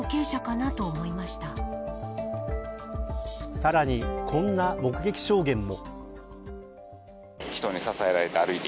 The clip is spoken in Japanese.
さらに、こんな目撃証言も。